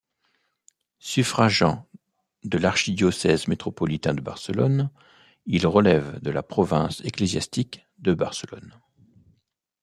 Suffragant de l'archidiocèse métropolitain de Barcelone, il relève de la province ecclésiastique de Barcelone.